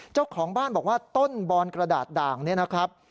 เจ้าของบ้านบอกว่าต้นบอนกระดาษด่างเนี่ยนะครับ